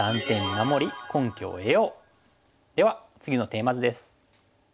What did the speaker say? では次のテーマ図です。